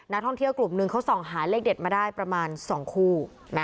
นักท่องเที่ยวกลุ่มหนึ่งเขาส่องหาเลขเด็ดมาได้ประมาณ๒คู่